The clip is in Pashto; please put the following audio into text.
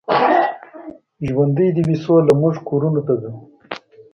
ژوندۍ دې وي سوله، موږ کورونو ته ځو.